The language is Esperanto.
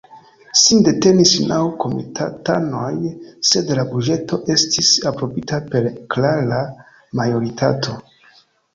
Sin detenis naŭ komitatanoj, sed la buĝeto estis aprobita per klara majoritato.